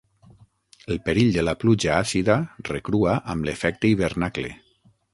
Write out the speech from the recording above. El perill de la pluja àcida recrua amb l'efecte hivernacle.